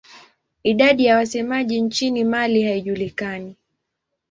Idadi ya wasemaji nchini Mali haijulikani.